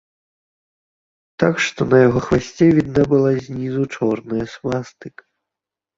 Так што на яго хвасце відна была знізу чорная свастыка.